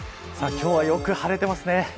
今日はよく晴れてますね。